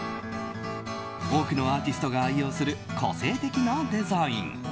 多くのアーティストが愛用する個性的なデザイン。